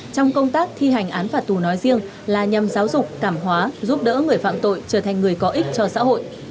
trong công tác thi hành án phạt tù nói riêng là nhằm giáo dục cảm hóa giúp đỡ người phạm tội trở thành người có ích cho xã hội